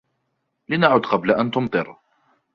لنعُد قبل أن تُمطر.